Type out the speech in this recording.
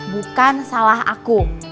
bukan salah aku